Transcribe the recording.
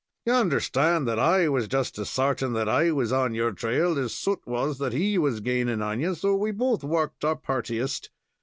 "You understand, I was just as sartin' that I was on your trail as Soot was that he was gainin' on ye; so we both worked our purtiest.